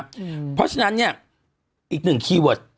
เพราะฉะนั้นเนี่ยอีกหนึ่งคีย์เวิร์ด